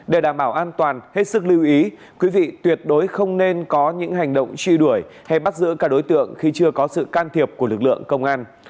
để đảm bảo an toàn hết sức lưu ý quý vị tuyệt đối không nên có những hành động truy đuổi hay bắt giữ các đối tượng khi chưa có sự can thiệp của lực lượng công an